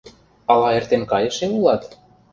Ала эртен кайыше улат?